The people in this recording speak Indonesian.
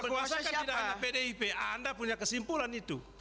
berkuasa kan tidak ada pdip anda punya kesimpulan itu